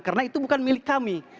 karena itu bukan milik kami